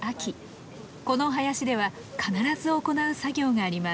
この林では必ず行う作業があります。